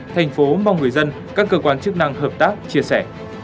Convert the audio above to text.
thành phố mong người dân các cơ quan chức năng hợp tác chia sẻ